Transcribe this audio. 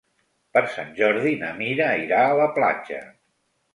Per Sant Jordi na Mira irà a la platja.